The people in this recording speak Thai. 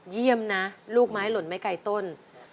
เยี่ยมนะลูกไม้หล่นไม่ไกลต้น